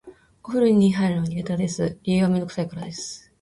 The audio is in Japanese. お風呂に入るのが苦手です。理由はめんどくさいからです。